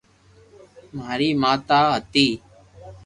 ماري ماتا ھتي